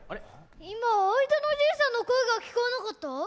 いまあいだのじいさんのこえがきこえなかった？